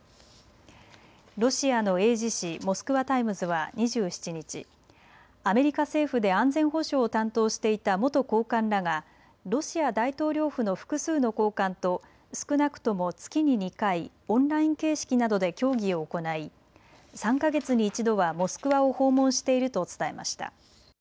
ロシアの英字紙、モスクワ・タイムズは２７日、アメリカ政府で安全保障を担当していた元高官らがロシア大統領府の複数の高官と少なくとも月に２回、オンライン形式などで協議を行い３か月に一度はモスクワを訪問していると伝えました。